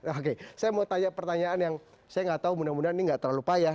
oke saya mau tanya pertanyaan yang saya nggak tahu mudah mudahan ini nggak terlalu payah